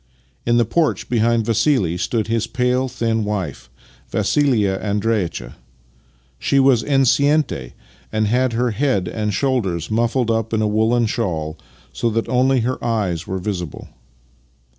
In the porch behind Vassili stood his pale, thin wife, Vassilia Andreitcha. She was enceinte, and had her head and shoulders muffled up in a woollen shawl, so that only her eyes were visible.